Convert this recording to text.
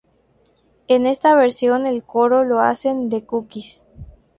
En esta versión, el coro lo hacen The Cookies.